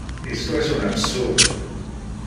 Isto es un absurdo!